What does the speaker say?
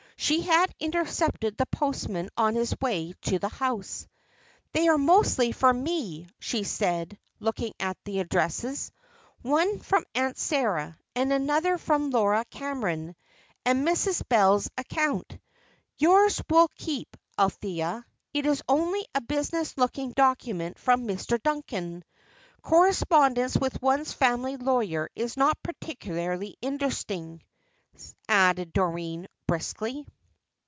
She had intercepted the postman on his way to the house. "They are mostly for me," she said, looking at the addresses. "One from Aunt Sara, and another from Laura Cameron, and Mrs. Bell's account. Yours will keep, Althea; it is only a business looking document from Mr. Duncan. Correspondence with one's family lawyer is not particularly interesting," added Doreen, briskly.